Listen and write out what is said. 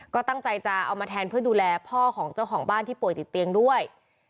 ก็ตั้งใจจะเอามาแทนเพื่อดูแลพ่อของเจ้าของบ้านที่ป่วยติดเตียงด้วย